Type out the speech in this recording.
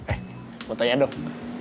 eh mau tanya dong